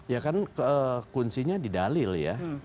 ya kan kuncinya di dalil ya